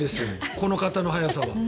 この形の速さは。